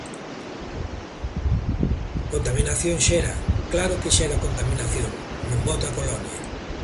Contaminación xera, claro que xera contaminación, non bota colonia.